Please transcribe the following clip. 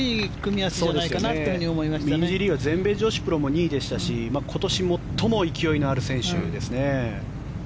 ミンジー・リーは全米女子プロも２位でしたし今年最も勢いのある選手ですね。